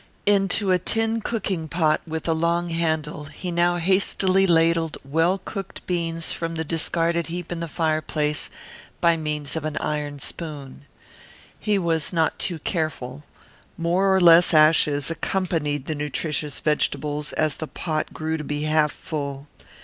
Into a tin cooking pot with a long handle he now hastily ladled well cooked beans from the discarded heap in the fireplace, by means of an iron spoon. He was not too careful. More or less ashes accompanied the nutritious vegetables as the pot grew to be half full.